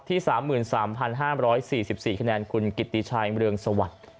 ที่๓๓๕๔๔คะแนนคุณกิติชัยเมืองสวัสดิ์